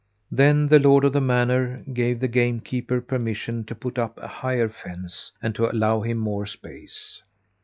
Then the lord of the manor gave the game keeper permission to put up a higher fence and to allow him more space.